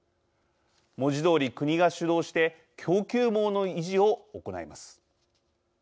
文字どおり国が主導して供給網の維持を行います。